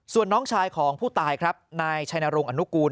ส่วนน้องชายของผู้ตายครับนายชัยนรงคุล